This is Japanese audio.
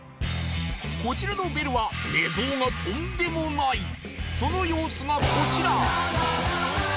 こちらのベルは寝相がとんでもないその様子がこちら！